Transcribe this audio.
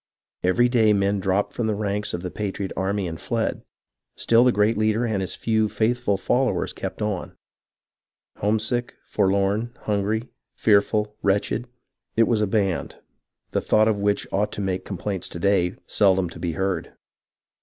Every day men dropped from the ranks of the patriot army and fled; still the great leader 138 HISTORY OF THE AMERICAN REVOLUTION and his few faithful followers kept on. Homesick, forlorn, hungry, fearful, wretched, — it was a band, the thought of which ought to make complaints to day seldom to be heard.